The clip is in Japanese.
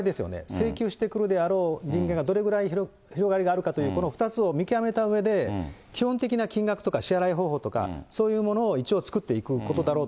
請求してくるであろう人間がどれぐらい広がりがあるかという、この２つを見極めたうえで、基本的な金額とか支払い方法とか、そういうものを一応作っていくこ